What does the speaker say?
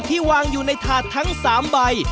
วางอยู่ในถาดทั้ง๓ใบ